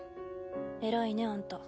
偉いねあんた。